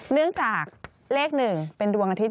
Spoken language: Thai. เนื่องจากเลข๑เป็นดวงอาทิตย